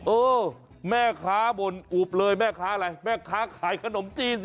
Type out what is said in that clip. เออแม่ค้าบ่นอุบเลยแม่ค้าอะไรแม่ค้าขายขนมจีน